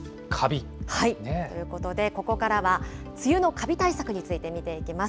ということで、ここからは、梅雨のカビ対策について見ていきます。